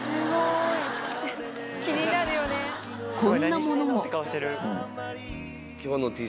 こんなものも。